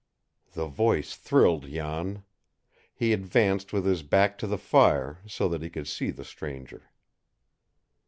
The voice thrilled Jan. He advanced with his back to the fire, so that he could see the stranger.